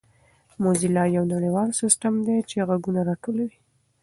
موزیلا یو نړیوال سیسټم دی چې ږغونه راټولوي.